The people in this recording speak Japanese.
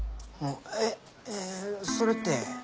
えっそれって？